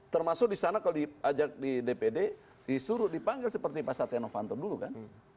termasuk kalau di ajak di dpd disuruh dipanggil seperti pak satya novanto dulu kan